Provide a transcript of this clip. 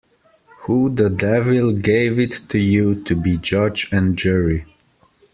Who the devil gave it to you to be judge and jury.